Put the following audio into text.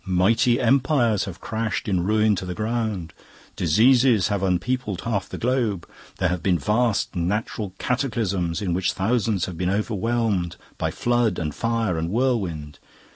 Mighty empires have crashed in ruin to the ground, diseases have unpeopled half the globe, there have been vast natural cataclysms in which thousands have been overwhelmed by flood and fire and whirlwind.